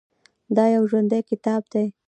دا یو ژوندی کتاب دی.